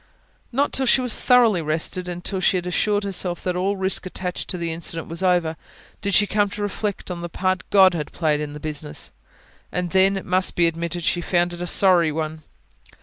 Not till she was thoroughly rested, and till she had assured herself that all risk attaching to the incident was over, did she come to reflect on the part God had played in the business. And then, it must be admitted, she found it a sorry one.